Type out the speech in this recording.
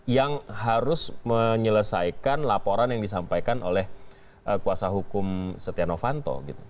yang harus menyelesaikan laporan yang disampaikan oleh kuasa hukum setia novanto